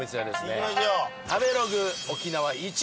いきましょう。